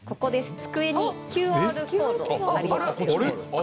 机にＱＲコードありますよね。